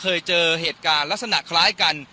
ตอนนี้จะเปลี่ยนอย่างนี้หรอว้าง